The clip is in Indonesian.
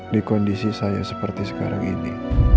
di kondisi saya seperti sekarang ini